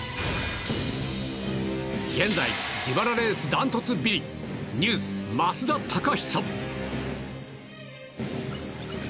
現在、自腹レース断トツビリ、ＮＥＷＳ・増田貴久。